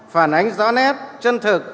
phản ánh rõ nét chân thực